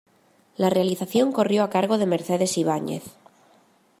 La realización corrió a cargo de Mercedes Ibáñez.